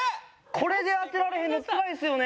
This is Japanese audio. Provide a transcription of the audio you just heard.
これで当てられへんのつらいですよね。